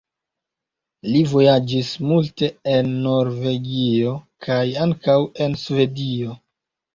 Li vojaĝis multe en Norvegio kaj ankaŭ en Svedio.